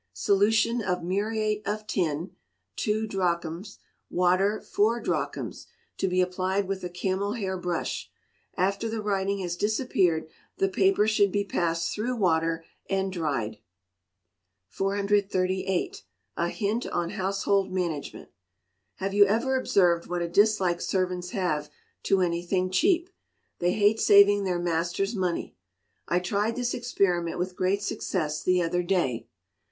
Solution of muriate of tin, two drachms; water, four drachms. To be applied with a camel hair brush. After the writing has disappeared, the paper should be passed through water, and dried. 438. A Hint on Household Management. Have you ever observed what a dislike servants have to anything cheap? They hate saving their master's money. I tried this experiment with great success the other day.